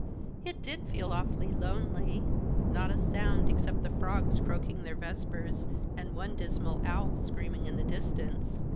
"It did feel awfully lonely; not a sound, except the frogs croaking their vespers, and one dismal owl screaming in the distance.